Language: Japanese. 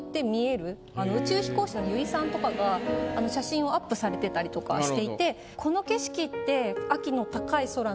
宇宙飛行士の油井さんとかが写真をアップされてたりとかしていて。